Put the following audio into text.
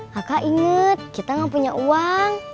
kakak inget kita gak punya uang